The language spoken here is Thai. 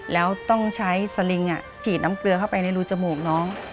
แล้วต้องใช้สลิงกรีดน้ำเกลือเข้าไปในรูจมูกน้อง